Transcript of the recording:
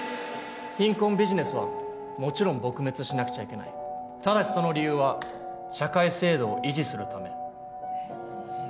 貧困ビジネスはもちろん撲滅しなくちゃいけないただしその理由は社会制度を維持するためえっ？